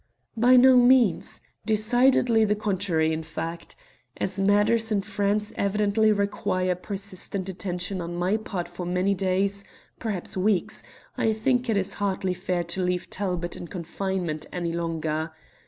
"By no means. Decidedly the contrary, in fact. As matters in France evidently require persistent attention on my part for many days, perhaps weeks, I think it is hardly fair to leave Talbot in confinement any longer.